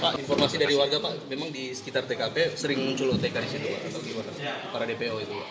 pak informasi dari warga pak memang di sekitar tkp sering muncul otk di situ para dpo itu